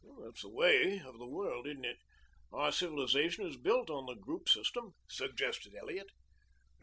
"That's the way of the world, isn't it? Our civilization is built on the group system," suggested Elliot.